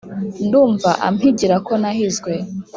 ndumva ampigira ko nahizwe